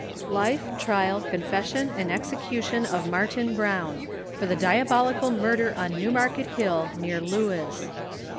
LIFE, TRIAL, CONFESSION, AND EXECUTION OF MARTIN BROWN, FOR THE DIABOLICAL MURDER ON NEWMARKET HILL NEAR, LEWES.